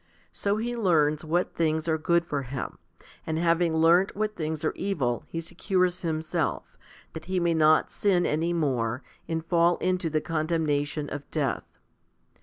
So he learns what things are good for him ; and having learnt what things are evil he secures himself, that he may not sin any more and fall into the condemnation of death.